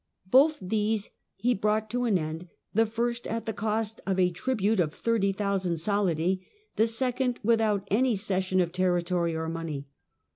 Both these he brought to an end, the first at the cost of a tribute of thirty thousand solidi, the second without any session of territory or money.